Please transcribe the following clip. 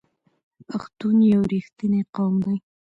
پښتون یو رښتینی قوم دی.